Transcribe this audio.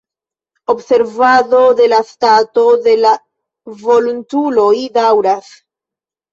Observado de la stato de la volontuloj daŭras.